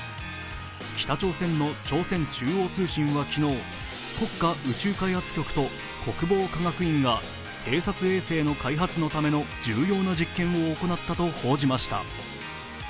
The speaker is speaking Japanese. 北朝鮮の朝鮮中央通信は昨日、国家宇宙開発局と国防科学院が偵察衛星の開発のための重要な実験を行ったと報じました。